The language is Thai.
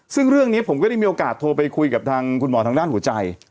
ซึ่งเรื่องนี้ผมก็ได้มีโอกาสโทรไปคุยกับทางคุณหมอทางด้านหัวใจ